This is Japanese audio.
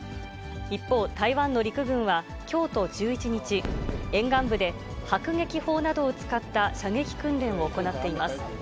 一方、台湾の陸軍は、きょうと１１日、沿岸部で迫撃砲などを使った射撃訓練を行っています。